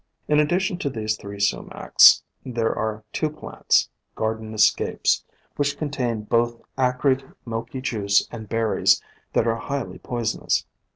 In addition to these three Sumacs there are two plants, "garden escapes," which contain both acrid, milky juice and berries that are highly poi sonous.